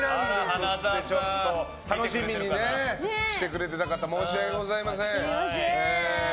楽しみにしてくれていた方申し訳ございません。